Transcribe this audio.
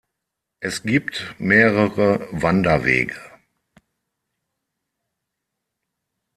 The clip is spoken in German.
Es gibt mehrere Wanderwege.